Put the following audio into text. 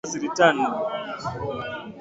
She then returned.